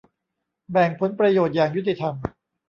แบ่งผลประโยชน์อย่างยุติธรรม